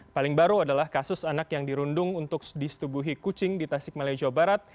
paling baru adalah kasus anak yang dirundung untuk disetubuhi kucing di tasik malaya jawa barat